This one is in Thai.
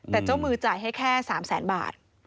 แต่เจ้ามือจ่ายให้แค่๓แสนบาท